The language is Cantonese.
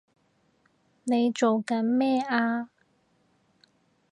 你做緊咩啊！